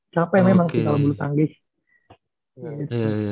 capek memang sih kalau bulu tangkis